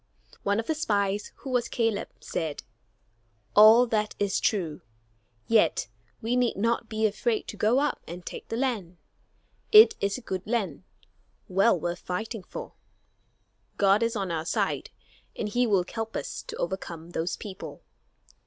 One of the spies, who was Caleb, said, "All that is true, yet we need not be afraid to go up and take the land. It is a good land, well worth fighting for; God is on our side, and he will help us to overcome those people."